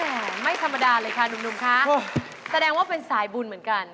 ไม่ธรรมดาเลยค่ะหนุ่มคะแสดงว่าเป็นสายบุญเหมือนกัน